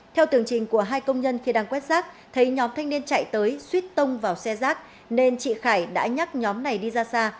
theo tường trình của hai công nhân khi đang quét rác thấy nhóm thanh niên chạy tới suýt tông vào xe rác nên chị khải đã nhắc nhóm này đi ra xa